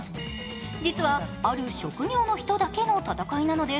実はある職業の人だけの戦いなのです。